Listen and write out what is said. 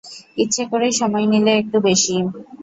ইচ্ছে করেই সময় নিলে একটু বেশি।